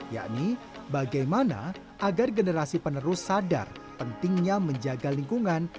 yakni bagaimana agar generasi penerus sadar pentingnya menjaga lingkungan